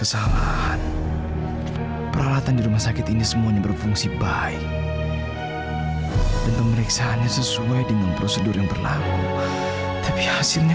sampai jumpa di video selanjutnya